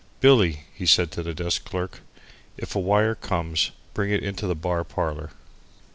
"Billy," he said to the desk clerk, "if a wire comes bring it into the bar parlour."